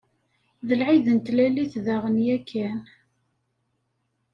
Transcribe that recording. D lɛid n Tlalit daɣen yakan?